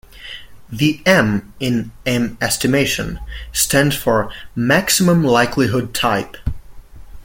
The M in M-estimation stands for "maximum likelihood type".